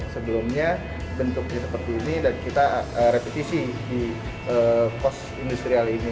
sebelumnya bentuknya seperti ini dan kita repetisi di kos industrial ini